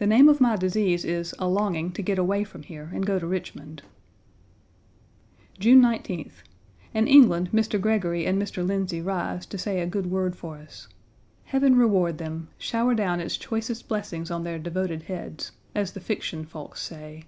The name of my disease is a longing to get away from here and to go to Richmond. June 19th. In England Mr. Gregory and Mr. Lyndsey rise to say a good word for us. Heaven reward them; shower down its choicest blessings on their devoted heads, as the fiction folks say.